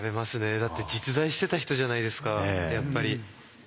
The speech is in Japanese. だって実在してた人じゃないですかやっぱり。